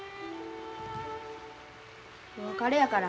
お別れやから。